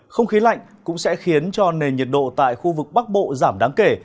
không khí lạnh cũng sẽ khiến cho nền nhiệt độ tại khu vực bắc bộ giảm đáng kể